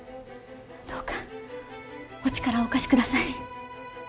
どうかお力をお貸し下さい。